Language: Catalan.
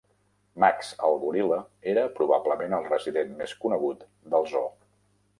Max el goril·la era probablement el resident més conegut del zoo.